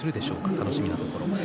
楽しみなところです。